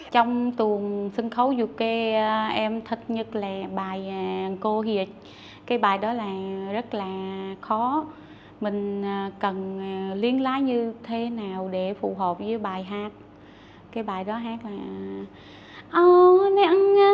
trong tuần sân khấu dù kê em thích nhất là bài ngô hiệt cái bài đó là rất là khó mình cần liên lãi như thế nào để phù hợp với bài hát cái bài đó hát là